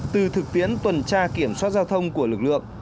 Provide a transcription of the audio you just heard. từ thực tiễn tuần tra kiểm soát giao thông của lực lượng